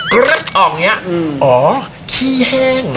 กรึ๊บออกอย่างนี้อ๋อขี้แห้ง